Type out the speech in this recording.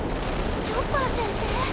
チョッパー先生？